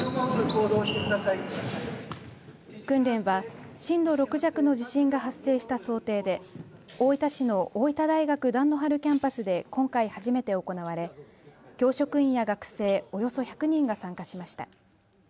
訓練は震度６弱の地震が発生した想定で大分市の大分大学旦野原キャンパスで今回初めて行われ教職員や学生およそ１００人が参加しました。